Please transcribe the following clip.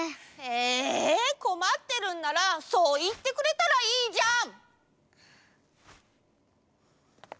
えこまってるんならそういってくれたらいいじゃん！